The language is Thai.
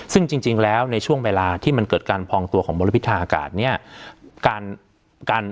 ซึ่งจริงแล้วในช่วงเวลาที่มันเกิดการพองตัวของมลพิษทางอากาศเนี่ย